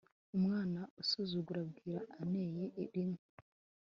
umwana usuzugura bwira aneye rimwe